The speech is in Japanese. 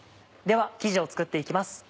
では生地を作って行きます。